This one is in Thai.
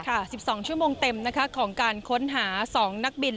ค่ะสิบสองชั่วโมงเต็มนะคะของการค้นหาสองนักบิน